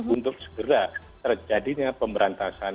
untuk segera terjadinya pemberantasan